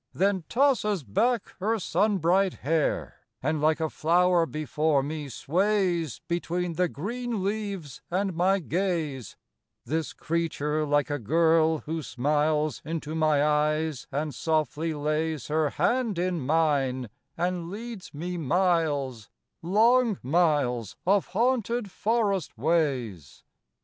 Then tosses back her sunbright hair, And like a flower before me sways Between the green leaves and my gaze: This creature like a girl, who smiles Into my eyes and softly lays Her hand in mine and leads me miles, Long miles of haunted forest ways.